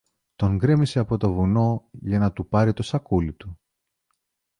τον γκρέμισε από το βουνό για να του πάρει το σακούλι του.